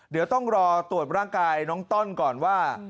เดี๋ยวต้องรอตรวจร่างกายน้องต้อนก่อนว่า